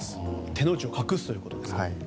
手の内を隠すということですね。